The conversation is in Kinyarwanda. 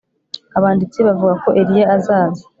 abanditsi bavuga ko eliya azaza